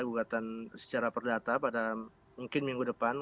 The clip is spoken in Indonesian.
gugatan secara perdata pada mungkin minggu depan